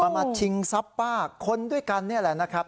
มาชิงทรัพย์ป้าคนด้วยกันนี่แหละนะครับ